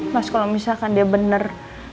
mas kalau misalkan dia benar